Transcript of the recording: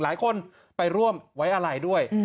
หลายคนไปร่วมไว้อะไรด้วย